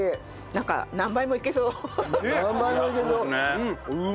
何杯もいけそう！